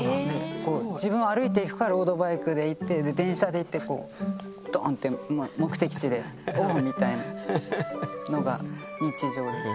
自分は歩いていくかロードバイクで行ってで電車で行ってこうドーンってみたいのが日常です。